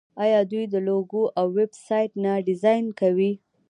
آیا دوی لوګو او ویب سایټ نه ډیزاین کوي؟